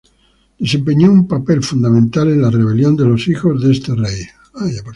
Desempeñó un papel fundamental en la rebelión de los hijos de este rey.